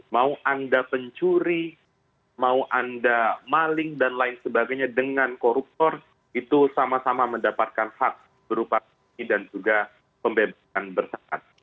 mau anda pencuri mau anda maling dan lain sebagainya dengan koruptor itu sama sama mendapatkan hak berupaya dan juga pembebasan bersarat